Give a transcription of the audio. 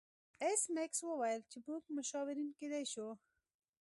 ایس میکس وویل چې موږ مشاورین کیدای شو